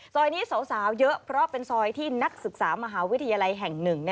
ซอยนี้สาวเยอะเพราะเป็นซอยที่นักศึกษามหาวิทยาลัยแห่ง๑